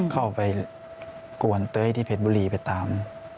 เข้าไปกวนเต้ยที่เพชรบุรีไปตาม